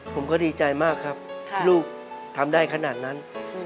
ผมก็ดีใจมากครับลูกทำได้ขนาดนั้น